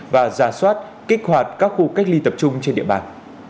và ra soát kích hoạt các khu cách ly tập trung trên địa bàn